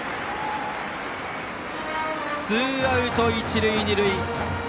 ツーアウト一塁二塁。